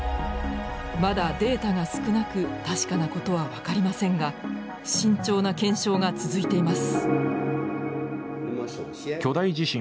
まだデータが少なく確かなことは分かりませんが慎重な検証が続いています。